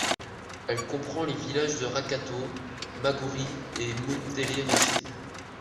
Elle comprend les villages de Răcătău, Măguri et Muntele Rece.